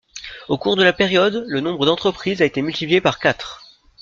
Au cours de la période, le nombre d'entreprises a été multiplié par quatre.